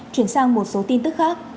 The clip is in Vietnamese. chuyển sang một số tin tức khác